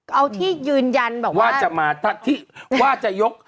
เอาที่ยืนยันแบบว่าว่าจะมาท่าที่ว่าจะยก